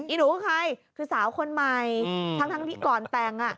หนูคือใครคือสาวคนใหม่ทั้งที่ก่อนแต่ง